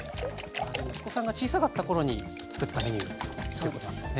息子さんが小さかった頃に作ったメニューっていうことなんですね。